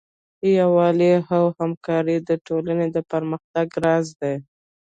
یووالی او همکاري د ټولنې د پرمختګ راز دی.